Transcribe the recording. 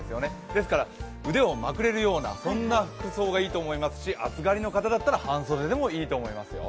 ですから腕をまくれるような服装がいいと思いますし暑がりの方だったら半袖でもいいと思いますよ。